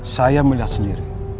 saya melihat sendiri